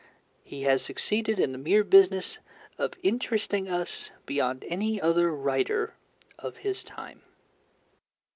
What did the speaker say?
He has succeeded in the mere business of interesting us beyond any other writer of his time.